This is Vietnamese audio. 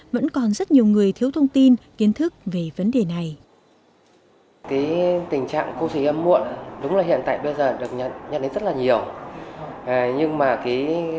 vẫn còn rất nhiều người thiếu thông tin kiến thức về vấn đề này